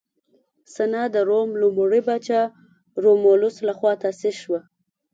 سنا د روم لومړي پاچا رومولوس لخوا تاسیس شوه